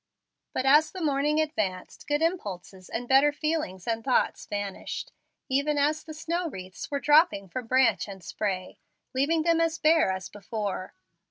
But, as the morning advanced, good impulses and better feelings and thoughts vanished, even as the snow wreaths were dropping from branch and spray, leaving them as bare as before.